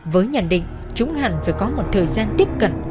với nhận định chúng hẳn phải có một thời gian tiếp cận